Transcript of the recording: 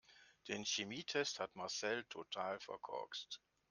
Den Chemietest hat Marcel total verkorkst.